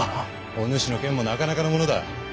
お主の剣もなかなかのものだ。